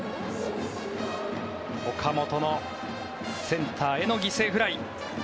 岡本のセンターへの犠牲フライ。